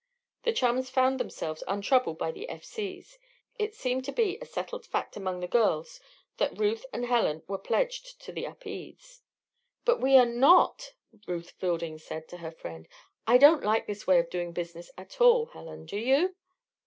The chums found themselves untroubled by the F. C.'s; it seemed to be a settled fact among the girls that Ruth and Helen were pledged to the Upedes. "But we are not," Ruth Fielding said, to her friend. "I don't like this way of doing business at all, Helen do you?"